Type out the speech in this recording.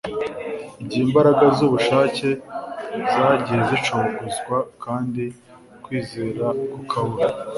Igihe imbaraga zubushake zagiye zicogozwa kandi kwizera kukabura